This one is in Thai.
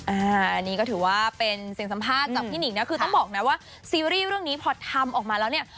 อันนี้ก็ถือว่าเป็นเสียงสัมภาษณ์จากพี่หนิงนะคือต้องบอกนะว่าซีรีส์เรื่องนี้พอทำออกมาแล้วเนี่ย